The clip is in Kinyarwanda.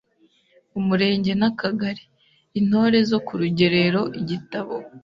Umurenge n’Akagari. Intore zo ku rugerero igitabo